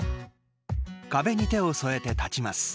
壁に手を添えて立ちます。